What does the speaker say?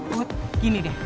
put gini deh